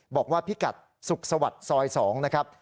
บอกว่าพิกัดสุขสวัสดิ์ซอย๒นะครับ